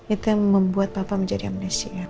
itu yang membuat bapak menjadi amnesia